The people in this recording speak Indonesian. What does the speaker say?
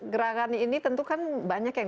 gerakan ini tentu kan banyak yang